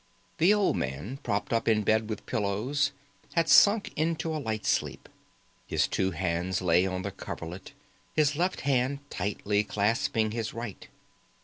The old man, propped up in bed with pillows, had sunk into a light sleep. His two hands lay on the coverlet, his left hand tightly clasping his right.